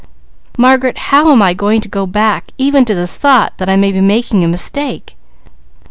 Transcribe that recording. Margaret, how am I going back even to the thought that I may be making a mistake?